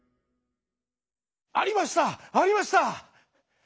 ありましたありました！